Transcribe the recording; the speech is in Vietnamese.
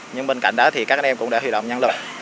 nhưng bên cạnh đó các anh em cũng đã huy động nhan lực